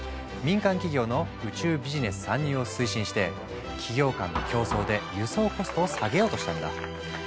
民間企業の宇宙ビジネス参入を推進して企業間の競争で輸送コストを下げようとしたんだ。